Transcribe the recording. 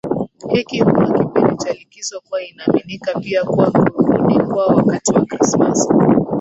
hiki huwa kipindi cha likizo kwao inaaminika pia kuwa kurudi kwao wakati wa Krismasi